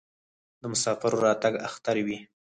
د مسافر راتګ اختر وي.